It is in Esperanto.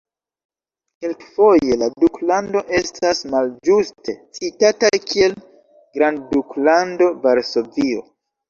Kelkfoje la duklando estas malĝuste citata kiel "grandduklando Varsovio".